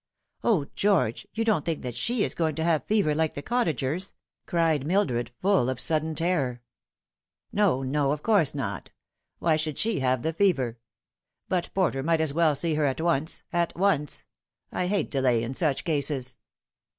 O George, you don't think that she is going to have fever, like the cottagers !" cried Mildred, full of a sudden terror. " No, no ; of course not. Why should she have the fever ? But Porter might as well see her at once at once. I hate delay in such cases."